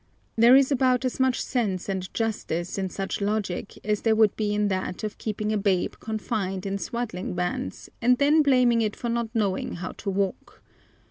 There is about as much sense and justice in such logic as there would be in that of keeping a babe confined in swaddling bands and then blaming it for not knowing how to walk.